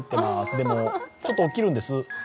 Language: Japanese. でも、ちょっと起きるんです。